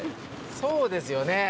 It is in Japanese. そうですよね。